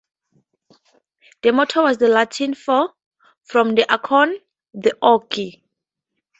The motto was the Latin for: From the acorn, the oak.